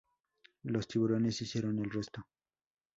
Los tiburones hicieron el resto.